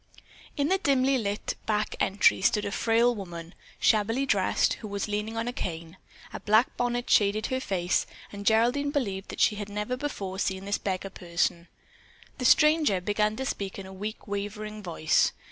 In the dimly lighted back entry stood a frail woman, shabbily dressed, who was leaning on a cane. A black bonnet shaded her face, and Geraldine believed that she had never before seen this beggar person. The stranger began to speak in a weak, wavering voice.